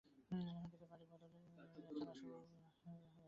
এরপর থেকেই বাড়ি বদলের খেলা শুরু হয়।